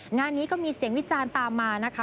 งานนี้ก็มีเสียงวิจารณ์ตามมานะคะ